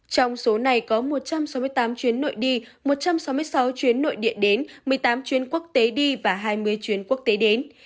trong số này có một trăm sáu mươi tám chuyến nội đi một trăm sáu mươi sáu chuyến nội địa đến một mươi tám chuyến quốc tế đi và hai mươi chuyến quốc tế đến